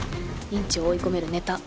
院長を追い込めるネタ。